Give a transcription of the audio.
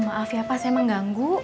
maaf ya pak saya mengganggu